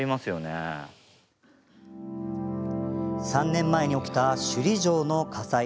３年前に起きた首里城の火災。